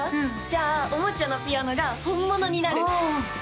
じゃあおもちゃのピアノが本物になるあ！